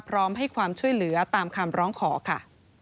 พร้อมให้ความช่วยเหลือตามคำร้องขอค่ะ